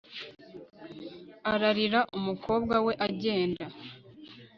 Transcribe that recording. ararira umukobwa we agenda